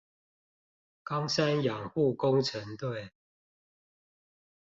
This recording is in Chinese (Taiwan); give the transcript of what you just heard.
岡山養護工程隊